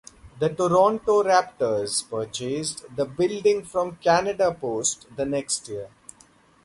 The Toronto Raptors purchased the building from Canada Post the next year.